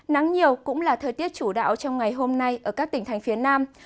nắng nhiều cũng là thời tiết chủ đạo trong ngày hôm nay ở các tỉnh thành phía nam